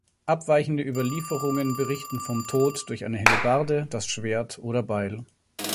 Abweichende Überlieferungen berichten vom Tod durch eine Hellebarde, das Schwert oder Beil.